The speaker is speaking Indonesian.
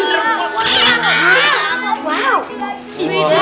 ini kita beli jarak